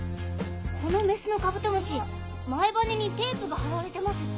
このメスのカブトムシ前羽にテープが貼られてます。